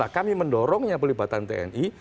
kami mendorongnya pelibatan tni